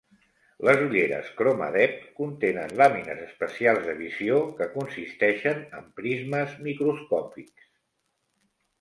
Les ulleres ChromaDepth contenen làmines especials de visió, que consisteixen en prismes microscòpics.